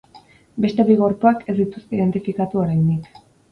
Beste bi gorpuak ez dituzte identifikatu oraindik.